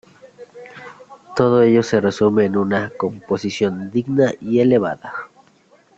Todo ello se resume en una "composición digna y elevada".